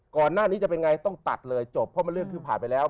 ก่อนหน้านี้จะเป็นไงต้องตัดเลยจบเพราะมันเรื่องคือผ่านไปแล้ว